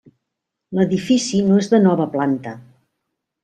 L'edifici no és de nova planta.